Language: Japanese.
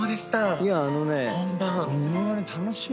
いやあのね。